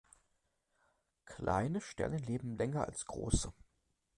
Kleine Sterne leben länger als große.